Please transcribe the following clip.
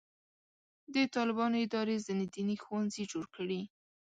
د طالبانو ادارې ځینې دیني ښوونځي جوړ کړي.